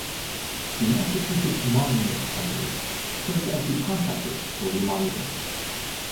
The Massachusetts Monument Company served as the contractors for the monument.